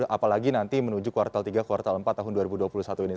apalagi nanti menuju kuartal tiga kuartal empat tahun dua ribu dua puluh satu ini